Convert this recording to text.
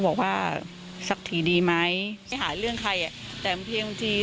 บอกว่าสักทีดีไหมไม่หาเรื่องใครอ่ะแต่บางที